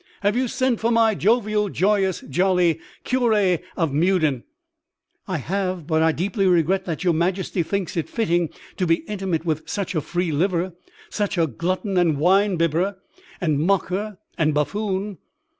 Have you sent for my jovial, joyous, jolly Curé of Meudon?" "I have; but I deeply regret that your Majesty thinks it fitting to be intimate with such a free liver, such a glutton and wine bibber and mocker and buffoon."